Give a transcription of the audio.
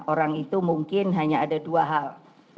orang itu mungkin hanya ada dua hal